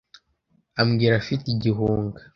ambwira afite igihunga